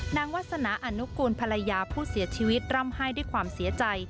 วาสนาอนุกูลภรรยาผู้เสียชีวิตร่ำไห้ด้วยความเสียใจ